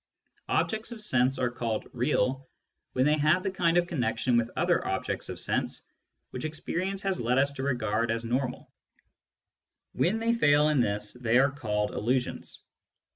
Objects of sense are called " real '* when they have the kind of connection with other objects of sense which experience has led us to regard as normal ; when they fail in this, they are called " illusions."